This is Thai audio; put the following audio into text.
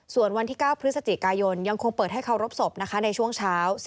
ส่วนวันที่๙พฤศจิกายนยังคงเปิดให้เคารพศพในช่วงเช้า